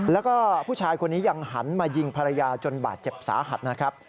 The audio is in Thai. แล้วก็ผู้ชายคนนี้ยังหันมายิงภรรยาจนบาดเจ็บสาหัสนะครับ